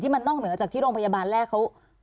มันนอกเหนือจากที่โรงพยาบาลแรกเขา